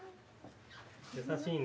優しいね。